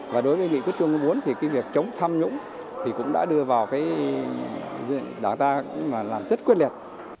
và đối với nghị quyết trung ương bốn việc chống tham nhũng cũng đã đưa vào đảng ta làm rất quyết liệt